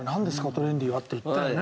トレンディは」って言ったよね